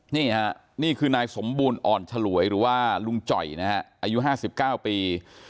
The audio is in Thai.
นี่ค่ะนี่คือนายสมบูรณ์อ่อนฉลวยหรือว่าลุงจ่อยนะฮะอายุ๕๙ปี